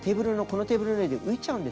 テーブルの上で浮いちゃうんですよ。